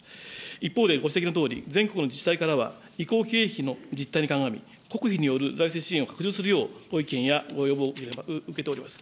一方でご指摘のとおり、全国の自治体からは移行経費の実態にかんがみ、国費による財政支援を拡充するようご意見やご要望を受けております。